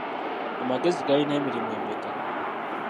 Amagezi galina emirimu emeka?